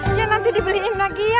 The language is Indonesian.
aku mau cannon accident tuh istilahnya